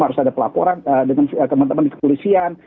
harus ada pelaporan dengan teman teman di kepolisian